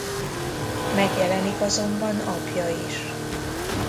Megjelenik azonban apja is.